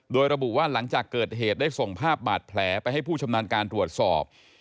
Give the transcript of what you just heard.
โดยระบุว่าหลังจากเกิดเหตุได้ส่งภาพบาดแผลไปให้ผู้ชำนาญการตรวจสอบ